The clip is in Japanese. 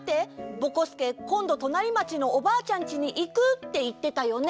ぼこすけこんどとなりまちのおばあちゃんちにいくっていってたよね？